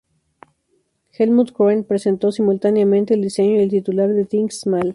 Helmut Krone presentó simultáneamente el diseño y el titular de "Think Small".